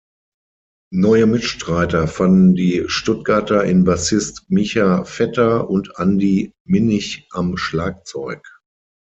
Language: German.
Neue Mitstreiter fanden die Stuttgarter in Bassist Micha Vetter und Andy Minich am Schlagzeug.